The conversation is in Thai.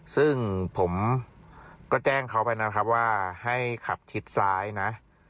ซึ่งผมก็แจ้งเขาไปนะครับว่าให้ขับชิดซ้ายนะ